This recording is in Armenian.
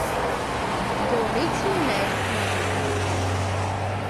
Գոռիթն ուներ մատուռ։